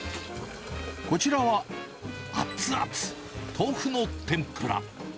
こちらは熱々、豆腐の天ぷら。